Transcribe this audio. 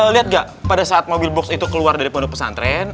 lihat gak pada saat mobil box itu keluar dari pondok pesantren